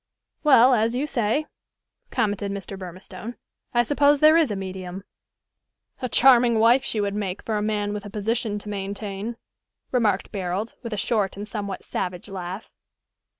"Well, as you say," commented Mr. Burmistone, "I suppose there is a medium." "A charming wife she would make, for a man with a position to maintain," remarked Barold, with a short and somewhat savage laugh.